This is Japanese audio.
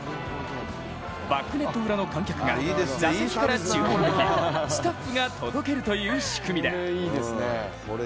バックネット裏の観客が座席から注文できスタッフが届けるという仕組みだ。